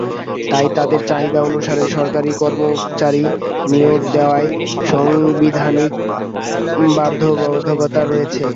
তাই তাদের চাহিদা অনুসারে সরকারি কর্মচারী নিয়োগ দেওয়ার সাংবিধানিক বাধ্যবাধকতা রয়েছে।